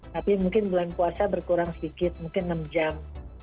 tapi mungkin bulan puasa berkurang sedikit mungkin enam jam